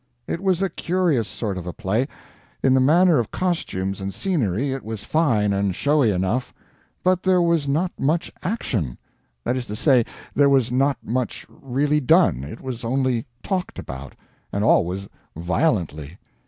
It was a curious sort of a play. In the manner of costumes and scenery it was fine and showy enough; but there was not much action. That is to say, there was not much really done, it was only talked about; and always violently.